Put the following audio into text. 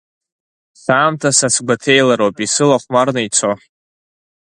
Саамҭа сацгәаҭеилароуп, исылахәмарны ицо…